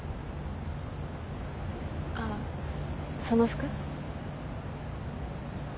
あっその服。